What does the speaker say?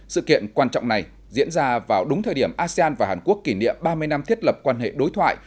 sự kiện quan trọng này diễn ra vào đúng thời điểm asean và hàn quốc kỷ niệm ba mươi năm thiết lập quan hệ đối thoại